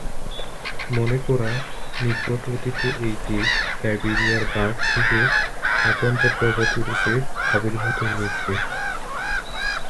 মনে করা নিকট অতীতে এই জীব সাইবেরিয়ার বাঘ থেকে স্বতন্ত্র প্রজাতি রুপে আবির্ভূত হয়েছে।